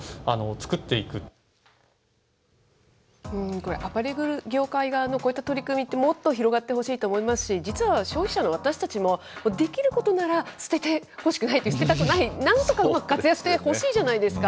これ、アパレル業界側のこういった取り組みってもっと広がってほしいと思いますし、実は消費者の私たちも、できることなら、捨ててほしくないって、捨てたくないって、なんとか活用してほしいじゃないですか。